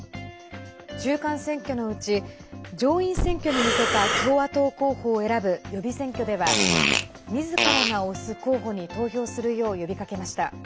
中間選挙のうち上院選挙に向けた共和党候補を選ぶ予備選挙ではみずからが推す候補に投票するよう呼びかけました。